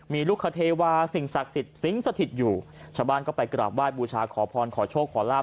มีลูกคเทวาสิ่งศักดิ์สิทธิ์สิงสถิตอยู่ชาวบ้านก็ไปกราบไห้บูชาขอพรขอโชคขอลาบ